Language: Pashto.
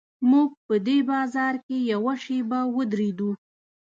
موږ په دې بازار کې یوه شېبه ودرېدو.